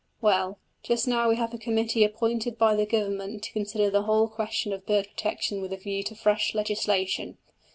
Well, just now we have a committee appointed by the Government to consider the whole question of bird protection with a view to fresh legislation.